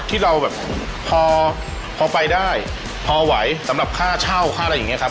ที่เราแบบพอพอไปได้พอไหวสำหรับค่าเช่าค่าอะไรอย่างเงี้ครับ